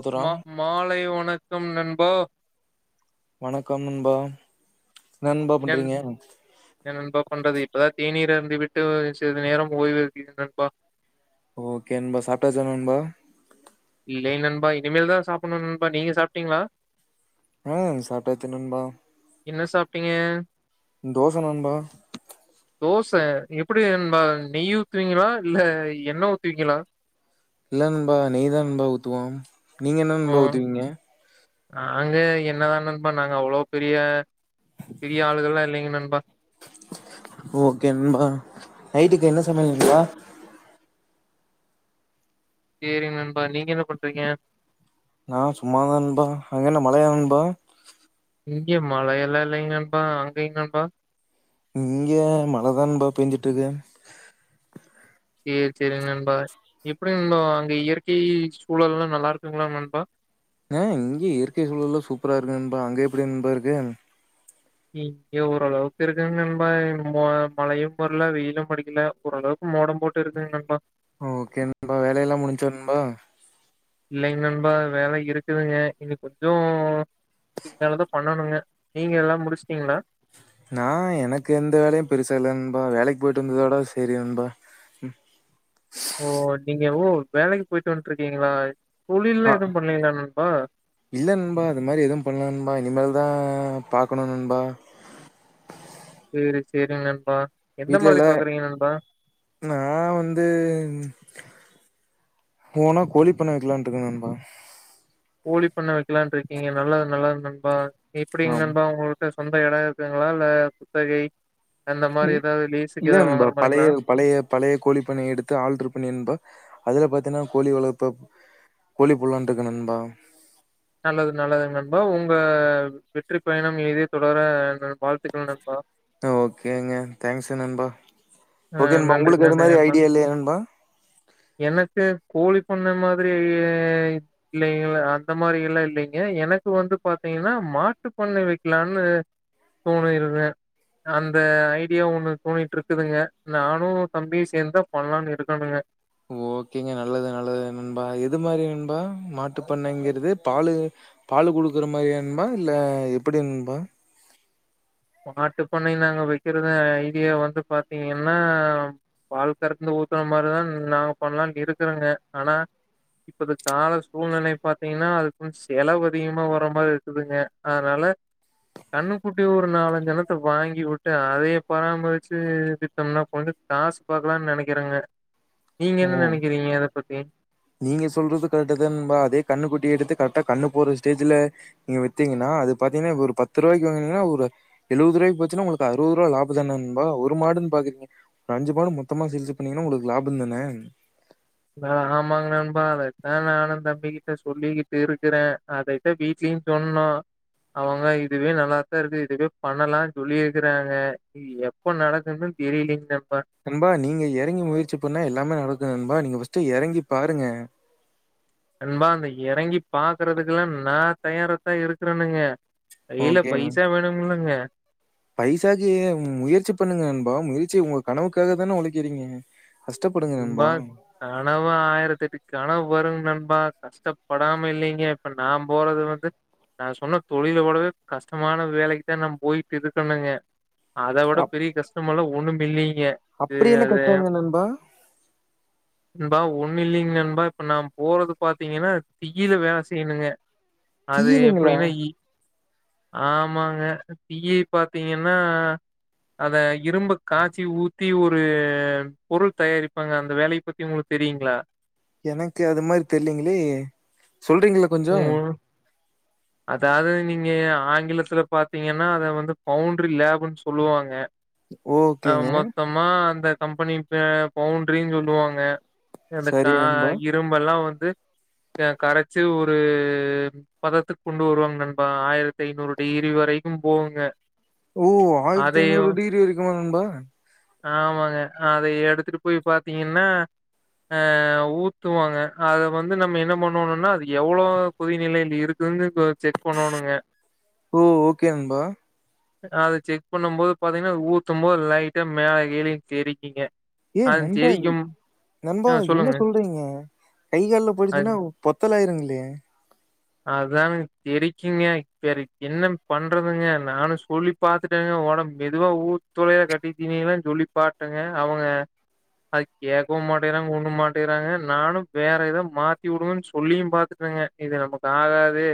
மதுராம் மா மாலை வணக்கம் நண்பா வணக்கம் நண்பா நண்பா பண்றீங்க பதா தேநீர் அருந்திவிட்டு சிறது நேரம் ஓய்வு எடுக்கிறேன் நண்பா ஓகே அன்பா சாப்டாசா நண்பா இல்லை நண்பா இனிமேல் தான் சாப்புட்ணும் நண்பா நீங்க சாப்டீக்ங்ளா உம் சாப்டாச்சு நண்பா என்ன சாப்டீங்க தோச நண்பா தோச எப்டி நண்பா நெய் ஊத்துவீங்க்ளா இல்ல எண்ண ஊத்துவீங்கக்ளா இல்ல நண்பா நெய் தா நண்பா ஊத்துவோம் நீங்க என்ன ஓ! நண்பா ஊத்துவீங்க நாங்க எண்ணதா நண்பா நாங்க அவ்ளோ பெரிய பெரிய ஆளுகள்லாம் இல்லைங்க நண்பா. ஓகே பா நைட்டுக்கு என்ன சமயல் நண்பா சேரிங்க நண்பா நீங்க என்ன பண்றீங்க நா சும்மாதா நண்பா அங்க என்ன மலையா நண்பா இங்கி மழையல்லா இல்லைங்கப்பா அங்கைங்கப்பா இங்க மழதா நண்பா பேஞ்சுட்டு இருக்கு ஈ செரிங்க நண்பா எப்டி நண்பா அங்கை இயற்கை சூழல்லா நல்லா இருக்குங்க்ளா நண்பா ஆஹ் இங்கே இயற்கை சூழல்லா சூப்பரா இருக்கு நண்பா அங்க எப்டி நண்பா இருக்கு இங்க ஓரளவுக்கு இருக்குங்க நண்பா மோ மழையும் வரல வெயிலும் அடிக்கல ஓரளவுக்கு மோடம் போட்டு இருக்குங்க நண்பா ஓகே நண்பா வேலையெல்லா முடிஞ்ச்சா நண்பா இல்லைங்க நண்பா வேல இருக்குதுங்க இன்னு கொஞ்சோ இப்பேலந்துதா பண்ணணுங்க நீங்க எல்லா முடிச்ட்டீங்க்ளா நா எனக்கு எந்த வேலையு பெருசா இல்ல நண்பா வேலைக்கு போயிட்டு வந்ததோட செரி நண்பா ம் ஓ நீங்க ஓ வேலைக்கு போயிட்டு வந்ட்ருக்கீங்களா எ அஹ் இல்ல நண்பா அது மாரி எதுவு பண்ணல நண்பா இனிமேல் தா பாக்கணு நண்பா செரி செரிங்க நண்பா எந்த மாரி வீட்லலே பாக்குறீங்க நண்பா? நா வந்து ஓனா கோழி பண்ண வைக்கலான்டுருக்கே நண்பா கோளி பண்ண வைக்கலான்டுருக்கீங்க நல்லது நல்லது நண்பா எப்டிங்க ஆம் நண்பா உங்கள்டச் சொந்த எட இருக்குங்களா இல்ல குத்தகை அந்த இ மாரி ஏதாவது லீஸுக்கு இல்ல ஏதாவது நண்பா வாங்குற மாரிங்களா? பழைய பழைய பழைய கோழிப்பண்ணைய எடுத்து ஆல்டர் பண்ணி நண்பா அதுல பத் துனா கோழி வளத்தோப் கோழி போலான்டுக்கே நண்பா நல்லது நல்லதுங்க நண்பா உங்க வெற்றிப் பயணம் இனி தொடர வாழ் ஓகேங்க தேங்க்ஸு நண்பா ஓகே ஆஹ் நண்பா நன்றி உங்களுக்கு அது நன்றி மாரி நண்பா ஐடியா இல்லையா நண்பா எனக்கு கோழி பண்ண மாரி இ இல்லைங்கள அந்த மாரி எல்லாம் இல்லங்க எனக்கு வந்து பாத்தீங்கன்னா மாட்டு பண்ணை வைக்கலாம்னு தோணிருது அந்த ஐடியா ஒன்னு தோணிட்டு இருக்குதுங்க நானும் தம்பியும் சேர்ந்து தான் பண்ணலானு இருக்கணுங்க ஓகேங்க நல்லது நல்லது நண்பா எது மாரி நண்பா மாட்டுப்பண்ணைங்கிறது பாலு பாலு குடுக்குற மாரியா நண்பா இல்ல எப்டி நண்பா மாட்டுப்பண்ணை நாங்க வைக்கிறது ஐடியா வந்து பாத்தீங்கன்னா பால் கறந்து ஊத்துற மாரிதான் நாங்க பண்ணலாம் இருக்றேங்க ஆனா இப்பது கால சூழ்நிலை பாத்தீங்கன்னா அதுக்கு செலவு அதிகமா வர மாரி இருக்குதுங்க அதனால கண்ணுக்குட்டி ஒ ன்னு நாலஞ்சு எண்ணத்த வாங்கி விட்டு அதய பராமரிச்சு வித்தோம்னா கொஞ்சம் காசு பாக்கலாம்னு நெனைக்கிறேங்க நீங்க என்ன ஓ நெனைக்கிறீங்க அத பத்தி நீங்க சொல்றது கரெக்ட் தான் நண்பா அதே கண்ணுக்குட்டி எடுத்து கரெக்டா கண்ணு போடுற ஸ்டேஜ்ல நீங்க வித்தீங்கன்னா அது பாத்தீங்கன்னா ஒரு பத்து ரூபாய்கு வாங்குனிங்கனா ஒரு எழுபது ரூபாக்கு போச்சனா உங்களுக்கு அறுபது ரூபா லாபம் தான நண்பா ஒரு மாடுன்னு பாக்குறீங்க ஒரு அஞ்சு மாடு மொத்தமா சேல்ஸ் பண்ணீங்கனா உங்களுக்கு லாபம் தான உம் ஆ ஆமாங்க நண்பா அதைத்தான் நானும் தம்பிக்கிட்ட சொல்லிக்கிட்டு இருக்கிறேன் அதைத்தன் வீடலயும் சொன்னோம் அவுங்க இதுவே நல்லாத்தான் இருக்கு இதுவே பண்ணலாம் சொல்லிருக்கறாங்க இது எப்போ நடக்குன்னு தெரிலீங்க நண் நண்பா நீங்க எறங்கி முயற்சி பண்ணா எல்லாமே நடக்கு நண்பா நீங்க ஃபஸ் ஸ்ட் எறங்கி பாருங்க நண்பா அந்த எறங்கி பாக்குறதுக்கெல்லாம் நா தயாரத்தா இருக்கறேனுங்க கைல ஓகே பைசா வேணும்கலாங்க பைசாக்கு முயற்சி பண்ணுங்கண்பா முயற்சி உங்க கனவுக்காக தான ஒழைக்கிறீங்க நண்பா கனவு ஆயிரத்து எட்டு கனவு வரும் நண் ரொம்ப கஷ்டப்படாம இல்லைங்க இப்ப நான் போறது வந்து நான் சொன்ன தொழில ஒடவே கஷ்டமான வேலைக்கு தான் நா போயிட்டு இருக்கணுங்க அத விட அப் பெரிய கஷ்டம் எல்லாம் ஒண்ணும் பில்லி அப்படி என்ன கஷ்டங்க நண்பா நண்பா ஒண்ணு இல்லங்க நண்பா இப்ப நான் போறது பாத்தீங்கன்னா தீயில வேல செய்யணுங்க அது தெரியலைங்களா? எப்படின்னா இ ஆமாங்க தீயை பாத்தீங்கன்னா அத இரும்ப காய்ச்சி ஊத்தி ஒரு பொருள் தயாரிப்பு இருப்பாங்க அந்த வேலைய பத்தி உங்களுக்கு தெரியுங்களா எனக்கு அது மாதிரி தெரிலங்களே சொல்றீங்களா கொஞ்சோ ம் அதாவது நீங்க ஆங்கிலத்துல பாத்தீங்கன்னா அத வந்து பவுண்டரி லேப்ன்னு சொல்லுவாங்க ஆ ஓகேங்க. மொத்தமா அந்த கம்பெனிப்ப பவுண்டரினு சொல்லுவாங்க சரி நண்பா. [unintelligible] இரும்பு எல்லா வந்து து [unintelligible] கரச்சு ஒரு பதத்துக்கு கொண்டு வருவாங்க நண்பா ஆயிரத்தி ஐநூறு டிகிரி வரைக்கும் போகுங்க ஓ ஆயிரத்தி ஐநூறு அதையும் டிகிரி வரைக்குமா நண்பா ஆமாங்க அத எடுத்துட்டு போய் பாத்தீங்கன்னா ஆஹ் ஊத்து வாங்க அத வந்து நம்ம என்ன பண்ணோனுனா அது எவ்வளோ கொதிநிலைல இருக்குதுன்னு கொ செக் பண்ணணுங்க. ஓ ஓகே நண்பா அத செக் பண்ணும் போது பாத்தீங்கன்னா ஊத்தும் போது லைட்டா மேல கீழயும் தெரிக்கீங்க ஏ நண்பா நண்பா ஆ என்ன சொல்லுங்க சொல்றீங்க கை கால்ல போயிடுச்சீன்னா பொத்தலாயிருங்களை அதாங் தெரிக்குங்க வேற என்ன பண்றதுங்க நானு சொல்லி பாத்துட்டேங்க ஒட மெதுவா ஊத்துளைய கட்டி தீனீல்லா சொல்லி பாட்டேங்க அவங்க அது கேட்க்கவு மாட்டேறாங்க ஒன்னு மாட்டேறாங்க நானு வேற எதாது மாத்தி உடுங்கன்னு சொல்லியும் பாத்துட்டேங்க இது நமக்கு ஆகாது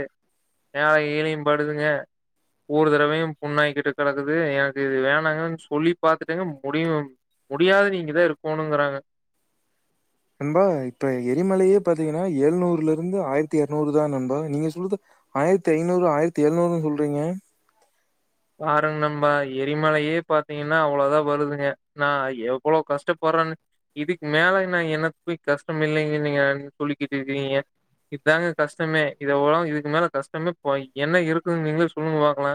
மேலயு கீழயு படுதுங்க ஒரு தடவையு புண்ணாய்க்கிட்டு கெடக்குது எனக்கு இது வேணாங்கன்னு சொல்லி பாத்துட்டேங்க முடியு முடியாது நீ இங்க தா இருக்கோணுங்கிறாங்க நண்பா இப்ப எரிமலையே பாத்தீங்கன்னா ஏழுநூறுல இருந்து ஆயிரத்தி எருநூறுதா நண்பா நீங்க சொல்றது ஆயிரத்தி ஐநூறு ஆயிரத்தி எழநூறுன்னு சொல்றீங்க பாருங்க நண்பா எரிமலையே பாத்தீங்கன்னா அவ்ளோதா வருதுங்க நா எவ்வளோ கஷ்டப்பறன்னு இதுக்கு மேல நா என்னத்த போய் கஷ்டம் இல்லைங்கன்னு நீங்க சொல்லிக்கிட்டு இருக்கீங்க இதாங்க கஷ்டமே இத ஓ இதுக்கு மேல கஷ்டமே போய் என்ன இருக்குன்னு நீங்களே சொல்லுங்க பாக்லா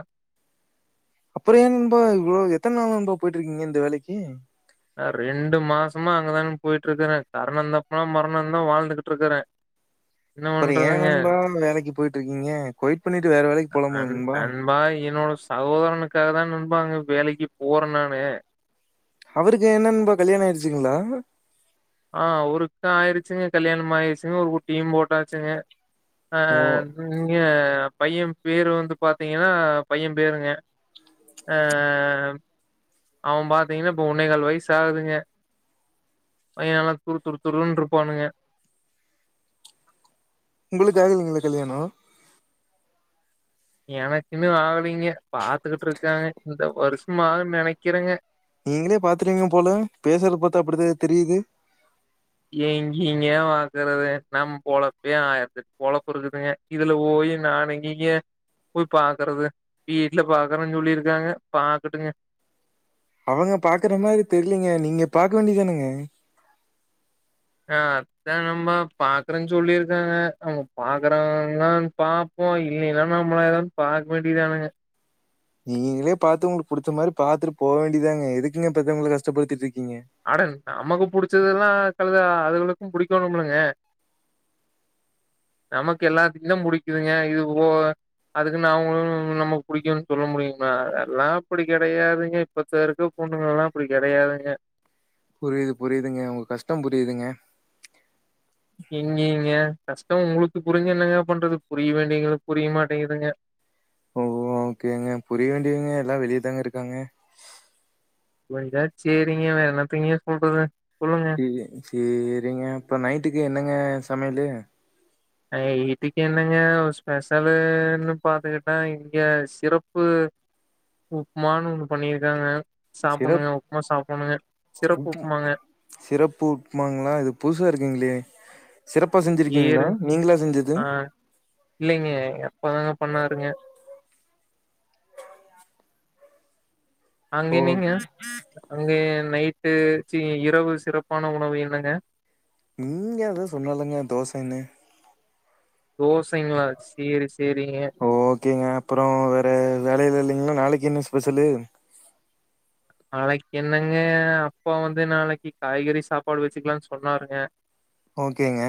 அப்பறொ ஏன் நண்பா இவ்ளோ எத்தன் நாளா நண்பா போயிட்டுருக்கீங்க இந்த வேலைக்கி ஆ ரெண்டு மாசமா அங்க தாங்க போயிட்டு இருக்கறே கரணம் தப்பனா மரணந்தா வாழ்ந்துக்ட்டு இருக்கறே அப்பற ஏ நண்பா வேலைக்கு போயிட்டுருக்கீங்க கொய்ட் பண்ணிட்டு வேற வேலைக்கு அது போலாம்ல அது நண்பா என்னோட சகோதரனுக் காகதா நண்பா அங்க வேலைக்கு போற நானு அவருக்கு ஏ நண்பா கல்யாணம் ஆயிச்சுங்களா ஆஹ் ஒருக்கா ஆயிருச்சுங்க கல்யாணம் ஆயிருச்சுங்க ஒரு குட்டியும் போட்டாச்சுங்க ஓ அஹ் நிங்க பையன் பேரு வந்து பாத்தீங்கன்னா பையன் பேருங்க ஆஹ் அவன் பாத்தீங்கன்னா இப்ப ஒன்னே கால் வயசு ஆகுதுங்க பைய நல்லா துரு துரு துரூன் இருப்பானுங்க உங்களுக்கு ஆகலிங்களா கல்யாணோ எனக்கின்னு ஆகலீங்க பாத்துக்கிட்டு இருக்காங்க இந்த வருஷமாகுன் நெனைக்கிறங்க நீங்களே பாத்துட்டிங்க போல பேசறது பாத்தா அப்படிதா தெரியுது எங்கைங்க‌ பாக்குறது நம் பொழப்பே ஆய்ரத்தெட் பொழப்பு இருக்குதுங்க இதுல போய் நான் எங்கங்க போய் பாக்குறது வீட்ல பாக்குறன் சொல்லிருக்காங்க பாக்கட்டுங்க அவங்க பாக்குற மாரி தெர்லிங்க நீங்க பாக்க வேண்டிதானுங்க ஆ அதா நம்ம பாக்குறங் சொல்லிருக்காங்க அவங்க பாக்குறாங்கல்லான்தா பாப்போ இல்லின்னா நம்மளா எதாது பாக்க வேண்டியதானுங்க நீ நீங்களே பாத்து உங்களுக்கு புடிச்ச மாரி பாத்துட்டு போக வேண்டியதாங்க எதுக்குங்க பெத்தவங்கள கஷ்டப்படுத்திட்டு இருக் அட நமக்கு புடிச்சதெல்லா கழுத அதுகல் கள்க்கு புடிக்கோணும்லங்க நமக்கு எல்லாத்துக்கு தா புடிக்குதுங்க இது ஒ அதுக்குனு அங்களு நமக் புடிக்குன் சொல்ல முடியுங்ளா அதெல்லா அப்டி கெடையாதுங்க இப்பத்த இருக்க பொண்ணுங்களா அப்டி கெடையாதுங்க புரிய்து புரிய்துங்க உங்க கஷ்டொ புரிய்துங்க எங்கெங்க கஷ்டோ உங்களுக்கு புரிஞ்சு என்னங்க பண்றது புரிய வேண்டியவங்களுக்கு புரிய மாட்டேங்குதுங்க ஓ ஓகேங்க புரிய வேண்டியவங்க எல்லா வெளியதாங்க இருக்காங்க [unintelligible] சேரிங்க வேற என்னத்தெய்ங்க சொல்றது சொல்லுங்க. [unintelligible] சேரிங்க அப்ப நைட்டுக்கு என்னங்க சமையலு ஐட்டுக்கு என்னங்க ஸ்பெஷலுன்னு பாத்துக்கிட்டா இங்க சிறப்பு உப்மான்னு ஒண்ணு பண்ணிருக்காங்க சிறப் சாப்புட்ணுங்க உப்புமா சாப்புட்ணுங்க சிறப்பு உப்பு உப்புமாங்க சிறப்பு உப்மாங்களா இது புதுசா இருக்குங்ளே ஏரு ஆ இல்லைங்க எங்கப்பா தாங்க பண்ணாருங்க ஓ அங்கே நீங்க அங்கேன் நைட்டு சி இரவு சிறப்பான உணவு என்னங்க இங்க அதா சொன்னலங்க தோசன்னு தோசைங்களா சேரி சேரிங்க ஓகேங்க அப்றோ வேற வேலைலா இல்லைங்களா நாளைக்கு என்ன ஸ் பெசலு நாளைக் என்னங்க அப்பா வந்து நாளைக்கி காய்கறி சாப்பாடு வச்சுக்கலான் சொன்னாருங்க ஓகேங்க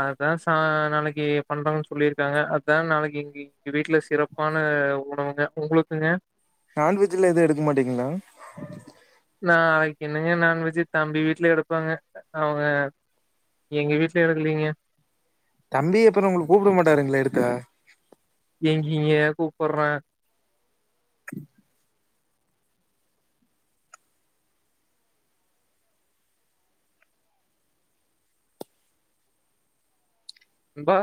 அதா சா நாளைக்கி பண்றாங்கன் சொல்லிருக்காங்க அதா நாளைக்கி எங்கே வீட்ல சிறப்பான உணவுங்க உங்ளுக்குங்க நான்வெஜ்லா எதுவு எடுக்க மாட்டீங்ளா நாளைக்கி என்னுங்க நான்வெஜ்ஜூ தம்பி வீட்ல எடுப்பாங்க அவங்க எங்க வீட்ல எடுக்கலீங்க தம்பி அப்றோ உங்கள கூப்ட மாட்டாருங்களே எடுத்தா எங்கிங்கே கூப்புட்றா ம்பா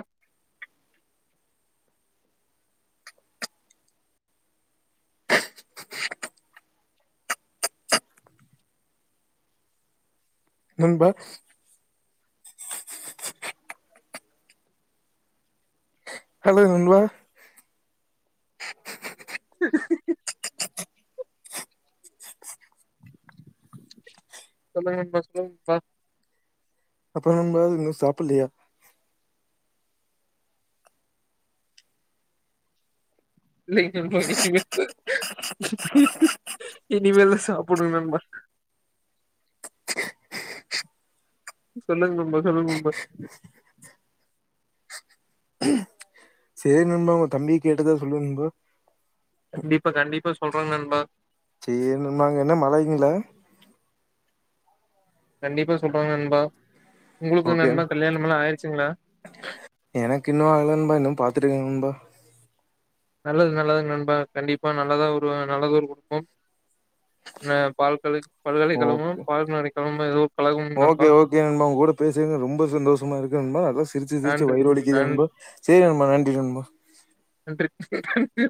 நண்பா ஹலோ நண்பா சொல்லுங்க நண்பா சொல்லுங்க நண்பா அப்றோ நண்பா இன்னு சாப்புட்லயா இல்லைங்க நண்பா இனிமே தா இனிமே தா சாப்புடு நண்பா சொல்லுங்க நண்பா சொல்லுங்க நண்பா சேரி நண்பா உங்க தம்பிய கேட்டதா சொல்லு நண்பா கண்டிப்பா கண்டிப்பா சொல்றங் நண்பா சேரி நண்பா அங்க என்ன மழைங்களா கண்டிப்பா சொல்ற நண்பா உங்களுக்கு ஓகே நண்பா கல்யாணமெல்லா ஆயிருச்சுங்களா எனக்கு இன்னு ஆகல நண்பா இன்னு பாத்துட்டு இருக்காங் நண்பா நல்லது நல்லதுங்க நண்பா கண்டிப்பா நல்லதா ஒரு நல்லத ஒரு குடுக்கு [unintelligible] ஓகே கழகம் நண்பா ஓகே ஓகே நண்பா உங்க கூட பேசினது ரொம்ப சந்தோஷமா இருக்கு நண்பா சிரிச்சு சிரிச்சு நன்றி வயிறு வலிக்குது நன் நண்பா சேரி நண்பா நன்றி நண்பா நன்றி நன்றி